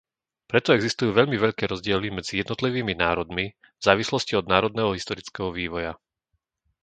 Preto existujú veľmi veľké rozdiely medzi jednotlivými národmi v závislosti od národného historického vývoja.